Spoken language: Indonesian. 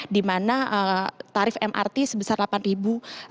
di mana tarif mrt sebesar rp delapan lima ratus